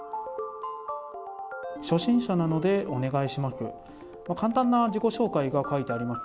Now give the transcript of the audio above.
初心者なのでお願いします。